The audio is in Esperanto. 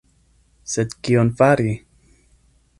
Sed kion fari?!